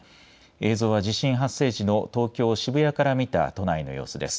映像は地震発生時の東京・渋谷から見た都内の様子です。